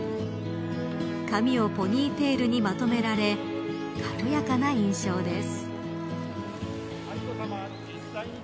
髪をポニーテールにまとめられ軽やかな印象です。